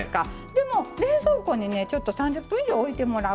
でも冷蔵庫にちょっと３０分以上おいてもらう。